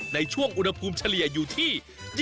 ในช่วงอุณหภูมิเฉลี่ยอยู่ที่